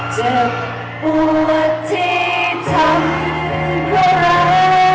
ขอบคุณทุกเรื่องราว